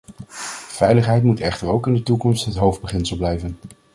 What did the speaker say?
Veiligheid moet echter ook in de toekomst het hoofdbeginsel blijven.